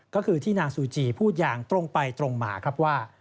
ก็คือที่นางซูจีพูดอย่างตรงไปตรงมาครับว่า